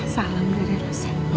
salam dari ros ya